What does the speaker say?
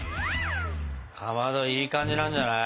かまどいい感じなんじゃない？